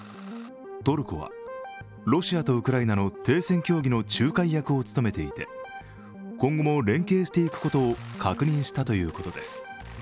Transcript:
トルコはロシアとウクライナの停戦協議の仲介役を務めていて今後も連携していくことを確認したということです。